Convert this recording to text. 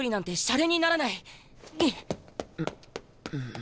ん？